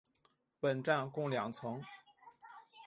本站共两层。